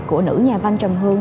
của nữ nhà văn trầm hương